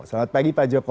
selamat pagi pak joko